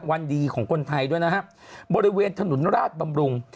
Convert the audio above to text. วันดีของคนไทยด้วยนะครับบริเวณถนนราชบำรุง